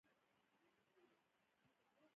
واوره د افغانستان د اقلیم ځانګړتیا ده.